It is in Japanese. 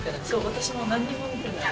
私も何にも見てない。